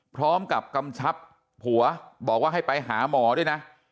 พร้อมกับกำชับผัวบอกว่าให้ไปหาหมอด้วยนะ